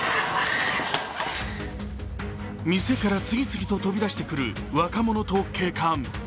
店から次々と飛びだしてくる若者と警官。